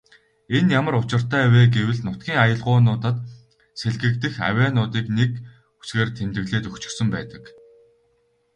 Энэ ямар учиртай вэ гэвэл нутгийн аялгуунуудад сэлгэгдэх авиануудыг нэг үсгээр тэмдэглээд өгчихсөн байдаг.